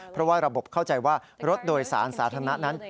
เพราะว่าระบบเข้าใจว่ารถโดยสารสาธารณะนั้น